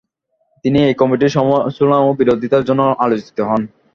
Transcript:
তিনি এই কমিটির সমালোচনা ও বিরোধীতার জন্য আলোচিত হন।